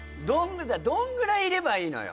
どんぐらいいればいいのよ？